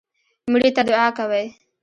مړي ته دعا کوئ